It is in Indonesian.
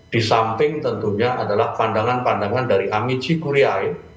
disamping tentunya adalah pandangan pandangan dari amici kuriai